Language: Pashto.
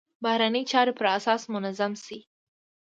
بهرنۍ چارې پر اساس منظمې شي.